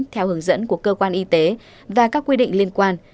theo hướng dẫn của cơ quan y tế và các quy định liên quan